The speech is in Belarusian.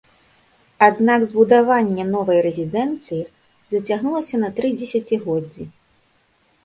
Аднак збудаванне новай рэзідэнцыі зацягнулася на тры дзесяцігоддзі.